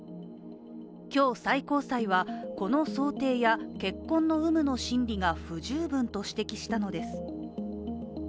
今日、最高裁はこの想定や血痕の有無の審理が不十分と指摘したのです。